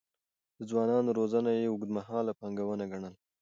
د ځوانانو روزنه يې اوږدمهاله پانګونه ګڼله.